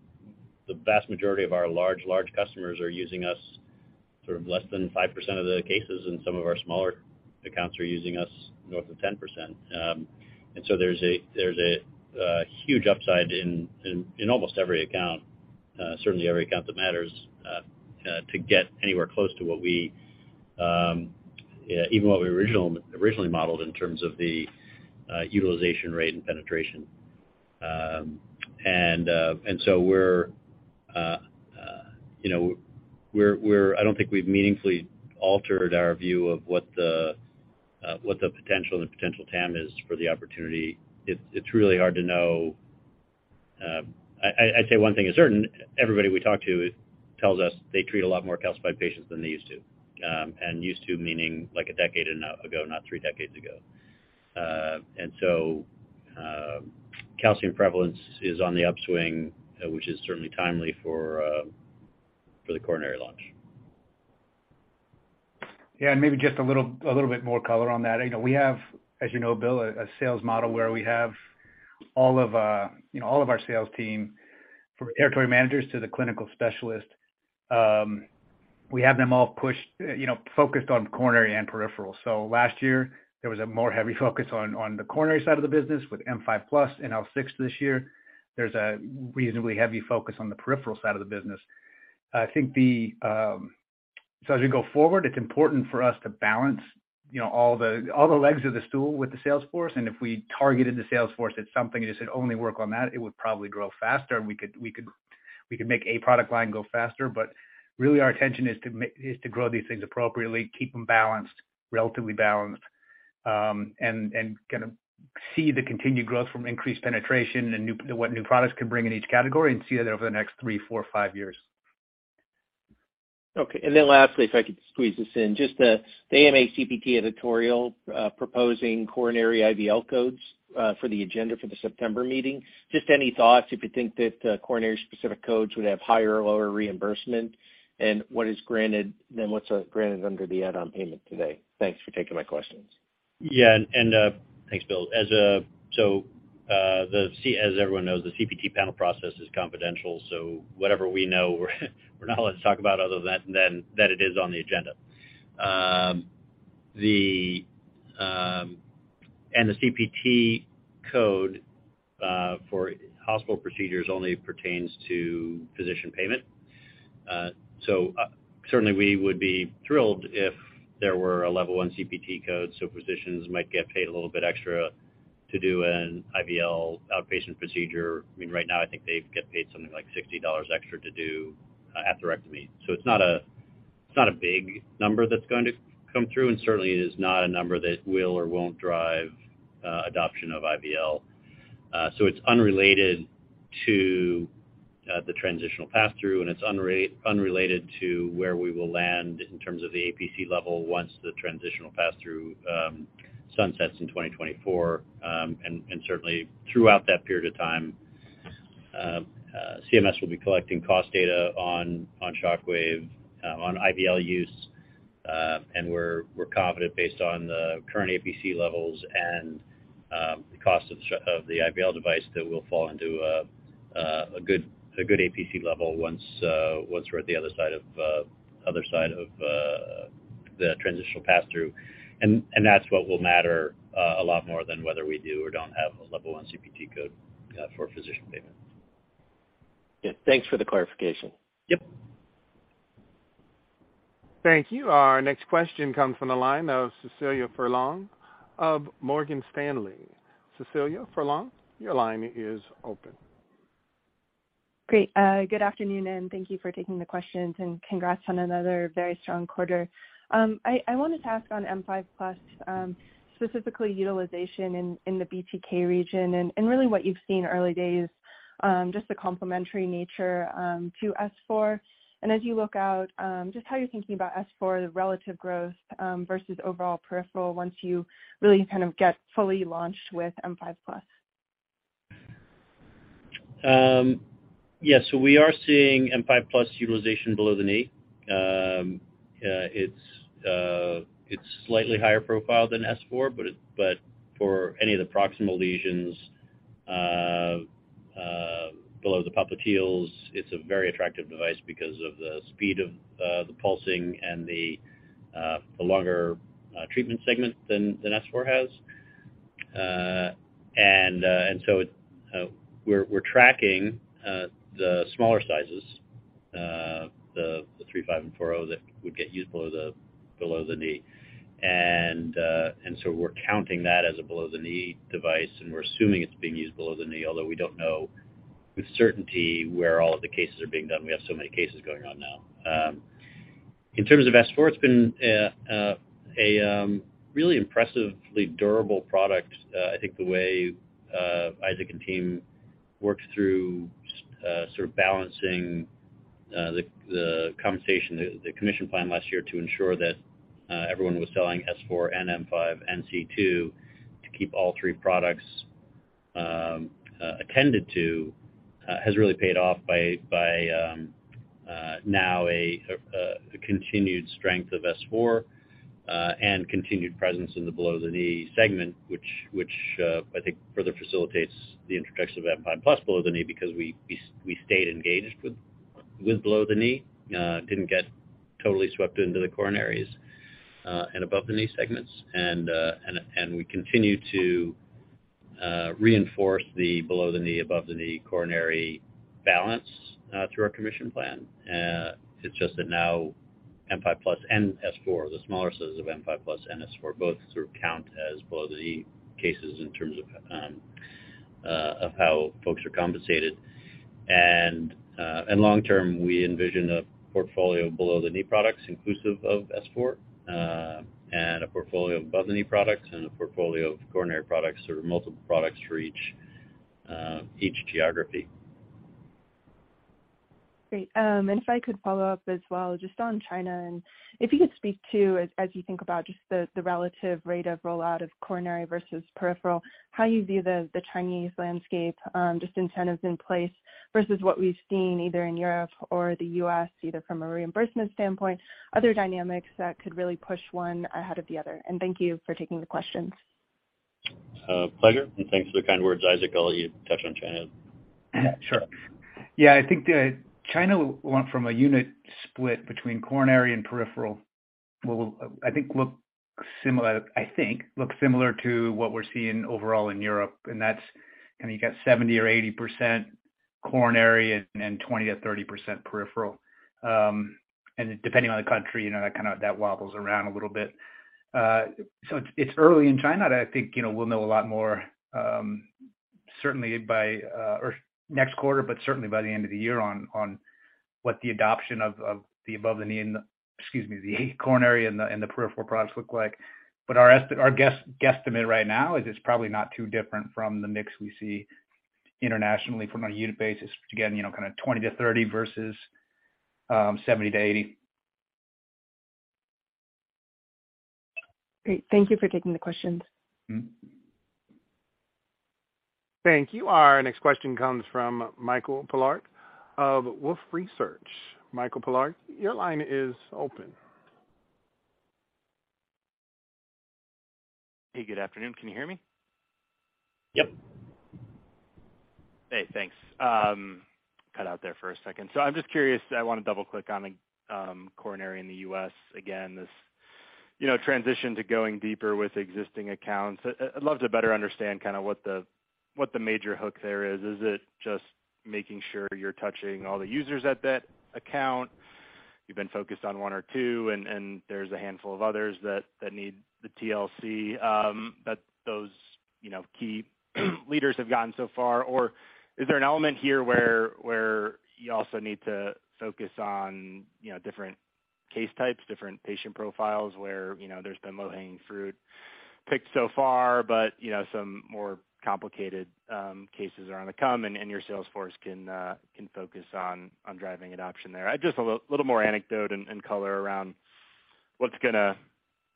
the vast majority of our large customers are using us sort of less than 5% of the cases, and some of our smaller accounts are using us north of 10%. There's a huge upside in almost every account, certainly every account that matters, to get anywhere close to what we originally modeled in terms of the utilization rate and penetration. I don't think we've meaningfully altered our view of what the potential TAM is for the opportunity. It's really hard to know. I'd say one thing is certain, everybody we talk to tells us they treat a lot more calcified patients than they used to, and used to meaning like a decade ago, not three decades ago. Calcium prevalence is on the upswing, which is certainly timely for the coronary launch. Yeah. Maybe just a little bit more color on that. You know, we have, as you know, Bill, a sales model where we have all of, you know, all of our sales team from territory managers to the clinical specialists, we have them all pushed, you know, focused on coronary and peripheral. Last year, there was a more heavy focus on the coronary side of the business with M5+ and L6 this year. There's a reasonably heavy focus on the peripheral side of the business. I think the. As we go forward, it's important for us to balance, you know, all the legs of the stool with the sales force. If we targeted the sales force at something and just said only work on that, it would probably grow faster, and we could make a product line go faster. Really our attention is to grow these things appropriately, keep them balanced, relatively balanced, and kind of see the continued growth from increased penetration and what new products can bring in each category and see that over the next three, four, five years. Okay. Then lastly, if I could squeeze this in, just the AMA CPT editorial proposing Coronary IVL codes for the agenda for the September meeting. Just any thoughts if you think that coronary specific codes would have higher or lower reimbursement than what's granted under the add-on payment today. Thanks for taking my questions. Yeah. Thanks, Bill. As everyone knows, the CPT panel process is confidential, so whatever we know, we're not allowed to talk about other than that it is on the agenda. The CPT code for hospital procedures only pertains to physician payment. Certainly we would be thrilled if there were a level one CPT code, so physicians might get paid a little bit extra to do an IVL outpatient procedure. I mean, right now, I think they get paid something like $60 extra to do atherectomy. It's not a big number that's going to come through, and certainly it is not a number that will or won't drive adoption of IVL. It's unrelated to the transitional pass-through, and it's unrelated to where we will land in terms of the APC level once the transitional pass-through sunsets in 2024. Certainly throughout that period of time, CMS will be collecting cost data on Shockwave, on IVL use, and we're confident based on the current APC levels and the cost of the IVL device that we'll fall into a good APC level once we're at the other side of the transitional pass-through. That's what will matter a lot more than whether we do or don't have a level one CPT code for physician payment. Yeah. Thanks for the clarification. Yep. Thank you. Our next question comes from the line of Cecilia Furlong of Morgan Stanley. Cecilia Furlong, your line is open. Great. Good afternoon, and thank you for taking the questions, and congrats on another very strong quarter. I wanted to ask on M5+, specifically utilization in the BTK region and really what you've seen early days, just the complementary nature to S4. As you look out, just how you're thinking about S4, the relative growth versus overall peripheral once you really kind of get fully launched with M5+. Yeah. We are seeing M5+ utilization below the knee. It's slightly higher profile than S4, but for any of the proximal lesions below the popliteals, it's a very attractive device because of the speed of the pulsing and the longer treatment segment than S4 has. We're tracking the smaller sizes, the 3.5 and 4.0 that would get used below the knee. We're counting that as a below the knee device, and we're assuming it's being used below the knee, although we don't know with certainty where all of the cases are being done. We have so many cases going on now. In terms of S4, it's been a really impressively durable product. I think the way Isaac and team worked through sort of balancing the compensation, the commission plan last year to ensure that everyone was selling S4 and M5 and C2 to keep all three products has really paid off by a continued strength of S4 and continued presence in the below-the-knee segment, which I think further facilitates the introduction of M5+ below the knee because we stayed engaged with below the knee, didn't get totally swept into the coronaries and above-the-knee segments. We continue to reinforce the below-the-knee, above-the-knee coronary balance through our commission plan. It's just that now M5+ and S4, the smaller sizes of M5+ and S4 both sort of count as below-the-knee cases in terms of how folks are compensated. Long term, we envision a portfolio of below-the-knee products inclusive of S4, and a portfolio of above-the-knee products and a portfolio of coronary products or multiple products for each geography. Great. If I could follow up as well, just on China, and if you could speak to, as you think about just the relative rate of rollout of coronary versus peripheral, how you view the Chinese landscape, just incentives in place versus what we've seen either in Europe or the U.S., either from a reimbursement standpoint, other dynamics that could really push one ahead of the other. Thank you for taking the questions. Pleasure, and thanks for the kind words. Isaac, I'll let you touch on China. Yeah, sure. I think the China one from a unit split between coronary and peripheral will look similar to what we're seeing overall in Europe, and you got 70% or 80% coronary and then 20%-30% peripheral. Depending on the country, you know, that kind of wobbles around a little bit. It's early in China, and I think, you know, we'll know a lot more certainly by our next quarter, but certainly by the end of the year on what the adoption of the coronary and the peripheral products look like. Our guesstimate right now is it's probably not too different from the mix we see internationally from a unit basis. Again, you know, kind of 20%-30% versus 70%-80%. Great. Thank you for taking the questions. Thank you. Our next question comes from Michael Polark of Wolfe Research. Michael Polark, your line is open. Hey, good afternoon. Can you hear me? Yep. Hey, thanks. Cut out there for a second. I'm just curious. I want to double-click on the coronary in the U.S. again, this transition to going deeper with existing accounts. I'd love to better understand what the major hook there is. Is it just making sure you're touching all the users at that account? You've been focused on one or two, and there's a handful of others that need the TLC that those key leaders have gotten so far. Is there an element here where you also need to focus on, you know, different case types, different patient profiles where, you know, there's been low-hanging fruit picked so far, but, you know, some more complicated cases are on the come and your sales force can focus on driving adoption there? I'd just like a little more anecdote and color around what's gonna,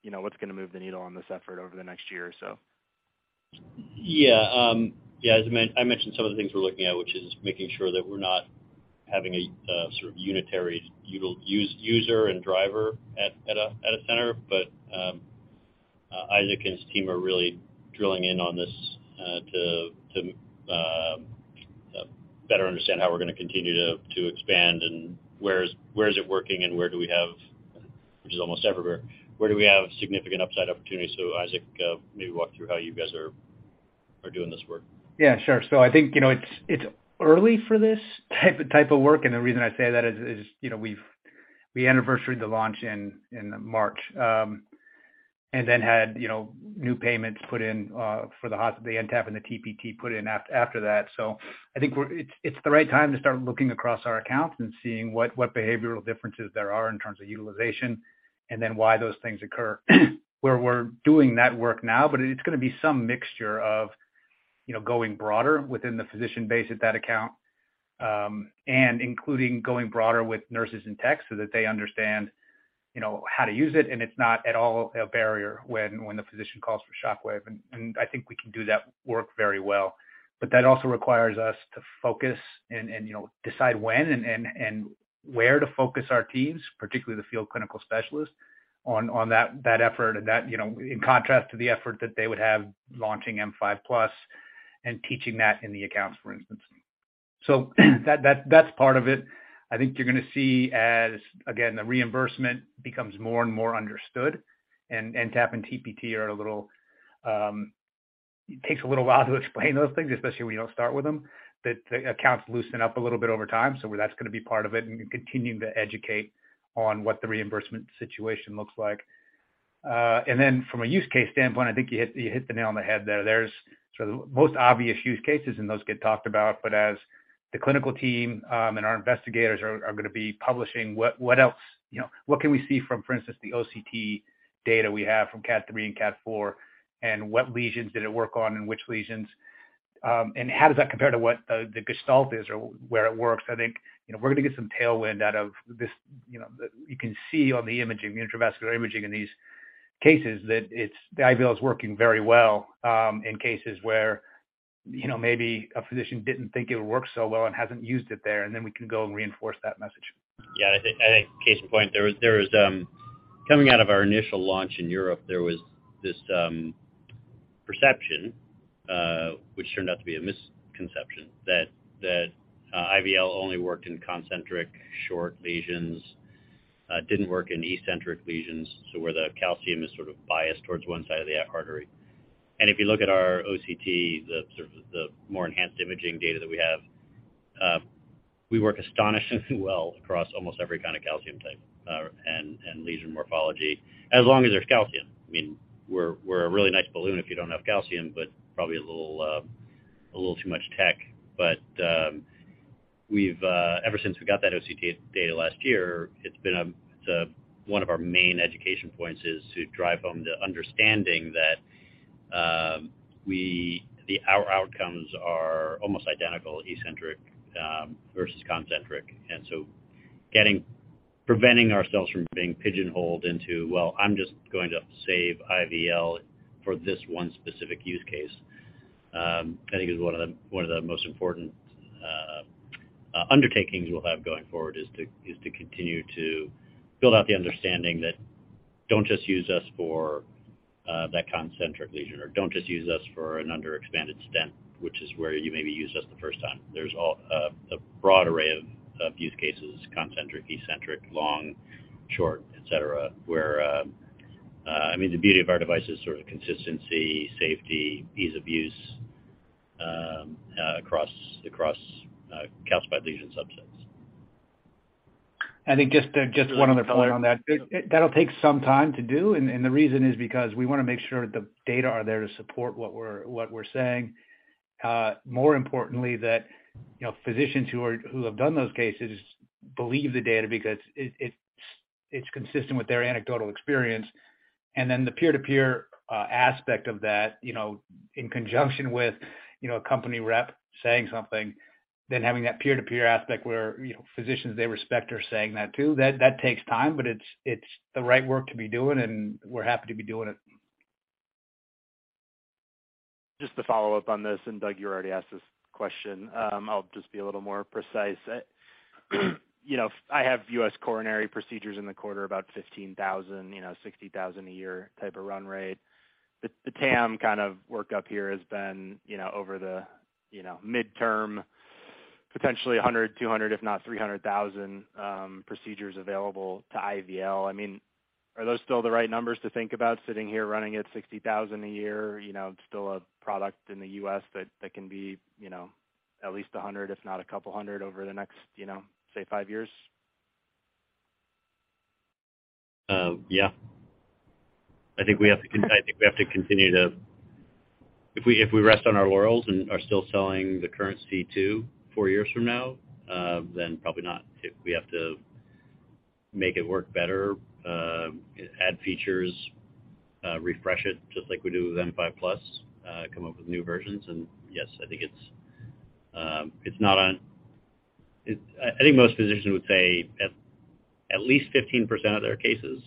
you know, what's gonna move the needle on this effort over the next year or so. As I mentioned some of the things we're looking at, which is making sure that we're not having a sort of unitary user and driver at a center. Isaac and his team are really drilling in on this to better understand how we're gonna continue to expand and where is it working and where do we have, which is almost everywhere, where do we have significant upside opportunities. Isaac, maybe walk through how you guys are doing this work. Yeah, sure. I think, you know, it's early for this type of work, and the reason I say that is, you know, we anniversaried the launch in March, and then had, you know, new payments put in for the NTAP and the TPT put in after that. I think it's the right time to start looking across our accounts and seeing what behavioral differences there are in terms of utilization and then why those things occur. We're doing that work now, but it's gonna be some mixture of, you know, going broader within the physician base at that account, and including going broader with nurses and techs so that they understand, you know, how to use it and it's not at all a barrier when the physician calls for Shockwave. I think we can do that work very well. That also requires us to focus and, you know, decide when and where to focus our teams, particularly the field clinical specialists, on that effort and that, you know, in contrast to the effort that they would have launching M5+ and teaching that in the accounts, for instance. That's part of it. I think you're gonna see as, again, the reimbursement becomes more and more understood, and NTAP and TPT takes a little while to explain those things, especially when you don't start with them, that the accounts loosen up a little bit over time. That's gonna be part of it and continuing to educate on what the reimbursement situation looks like. From a use case standpoint, I think you hit the nail on the head there. There's sort of most obvious use cases, and those get talked about. As the clinical team and our investigators are gonna be publishing what else, what can we see from, for instance, the OCT data we have from CAD III and CAD IV, and what lesions did it work on and which lesions, and how does that compare to what the gestalt is or where it works? I think, you know, we're gonna get some tailwind out of this, you know, you can see on the imaging, the intravascular imaging in these cases that the IVL is working very well, in cases where, you know, maybe a physician didn't think it would work so well and hasn't used it there, and then we can go and reinforce that message. Yeah. I think case in point, there was this perception, which turned out to be a misconception, that IVL only worked in concentric short lesions, didn't work in eccentric lesions, so where the calcium is sort of biased towards one side of the artery. If you look at our OCT, the more enhanced imaging data that we have, we work astonishingly well across almost every kind of calcium type, and lesion morphology as long as there's calcium. I mean, we're a really nice balloon if you don't have calcium, but probably a little too much tech. We've ever since we got that OCT data last year, it's been one of our main education points is to drive home the understanding that our outcomes are almost identical, eccentric, versus concentric. Preventing ourselves from being pigeonholed into, "Well, I'm just going to save IVL for this one specific use case," I think is one of the most important undertakings we'll have going forward, is to continue to build out the understanding that don't just use us for that concentric lesion, or don't just use us for an underexpanded stent, which is where you maybe used us the first time. There's a broad array of use cases, concentric, eccentric, long, short, et cetera, where-- I mean, the beauty of our device is sort of consistency, safety, ease of use, across calcified lesion subsets. I think just one other point on that. That'll take some time to do, and the reason is because we wanna make sure the data are there to support what we're saying. More importantly, you know, physicians who have done those cases believe the data because it's consistent with their anecdotal experience. Then the peer-to-peer aspect of that, you know, in conjunction with, you know, a company rep saying something, then having that peer-to-peer aspect where, you know, physicians they respect are saying that too, that takes time, but it's the right work to be doing, and we're happy to be doing it. Just to follow up on this, and Doug, you already asked this question. I'll just be a little more precise. You know, I have U.S. coronary procedures in the quarter, about 15,000, you know, 60,000 a year type of run rate. The TAM kind of workup here has been, you know, over the midterm, potentially 100,000, 200,000 if not 300,000 procedures available to IVL. I mean, are those still the right numbers to think about sitting here running at 60,000 a year? You know, still a product in the U.S. that can be, you know, at least 100,000 if not a couple hundred over the next, you know, say, five years? Yeah. I think we have to continue to if we rest on our laurels and are still selling the current C2 four years from now, then probably not. If we have to make it work better, add features, refresh it just like we do with M5+, come up with new versions. Yes, I think most physicians would say at least 15% of their cases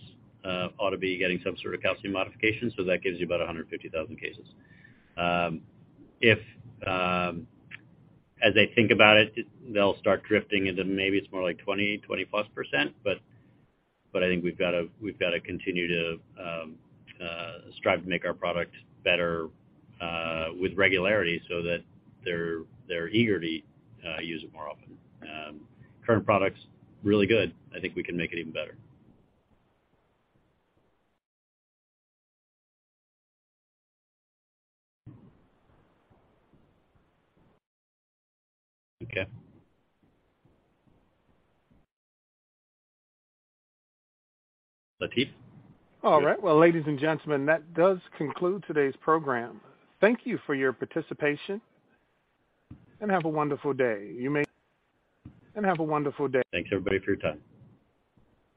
ought to be getting some sort of calcium modification, so that gives you about 150,000 cases. As they think about it, they'll start drifting into maybe it's more like +20%. I think we've gotta continue to strive to make our product better with regularity so that they're eager to use it more often. Current product's really good. I think we can make it even better. Okay. Latib? All right. Well, ladies and gentlemen, that does conclude today's program. Thank you for your participation, and have a wonderful day. Thanks, everybody, for your time.